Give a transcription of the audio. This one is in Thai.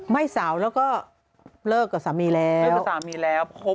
ไม่สาวมีแล้วครบกับเพื่อน